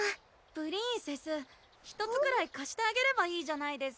プリンセス１つくらいかしてあげればいいじゃないです